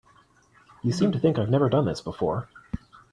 You seem to think I've never done this before.